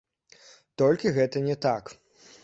Толькі гэта не так.